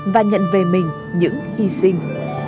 và nhận về mình những hy sinh